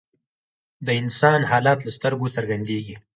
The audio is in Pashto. د انسان حالت له سترګو څرګندیږي